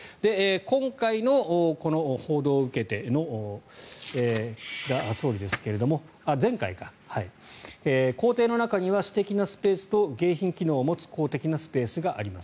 前回の報道を受けての岸田総理ですが公邸の中には私的なスペースと迎賓機能を持つ公的なスペースがあります